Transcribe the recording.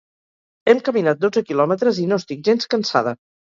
Hem caminat dotze quilòmetres i no estic gens cansada